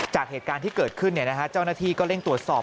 จากเหตุการณ์ที่เกิดขึ้นเจ้าหน้าที่ก็เร่งตรวจสอบ